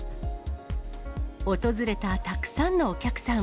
訪れたたくさんのお客さん。